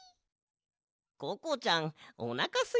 ココちゃんおなかすいてたんだな。